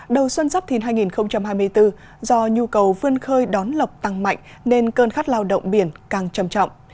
đầu xuân giáp thìn hai nghìn hai mươi bốn do nhu cầu vươn khơi đón lọc tăng mạnh nên cơn khát lao động biển càng trầm trọng